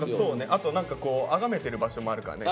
あと何かあがめてる場所もあるからね。